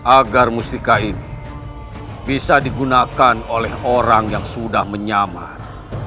agar mustika ini bisa digunakan oleh orang yang sudah menyamar